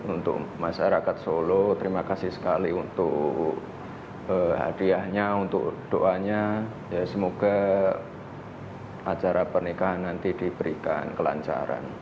untuk masyarakat solo terima kasih sekali untuk hadiahnya untuk doanya semoga acara pernikahan nanti diberikan kelancaran